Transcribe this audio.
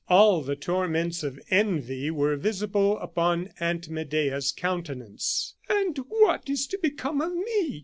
All the torments of envy were visible upon Aunt Medea's countenance. "'And what is to become of me?"